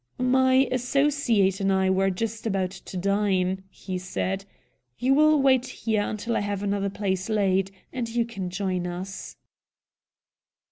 "My associate and I were just about to dine," he said. "You will wait here until I have another place laid, and you can join us."